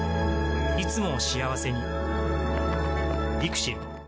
いつもを幸せに ＬＩＸＩＬ